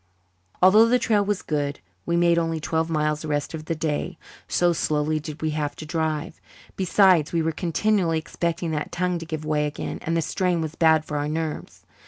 Although the trail was good we made only twelve miles the rest of the day, so slowly did we have to drive. Besides, we were continually expecting that tongue to give way again, and the strain was bad for our nerves.